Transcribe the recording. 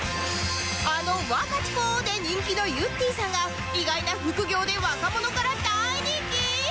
あの「ワカチコ」で人気のゆってぃさんが意外な副業で若者から大人気？